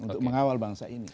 untuk mengawal bangsa ini